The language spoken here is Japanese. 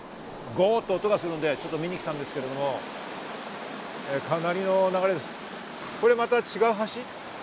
ごって音がするんでちょっと見に来たんですけれども、かなりの流れです。